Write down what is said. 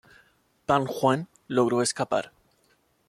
Pang Juan logró escapar.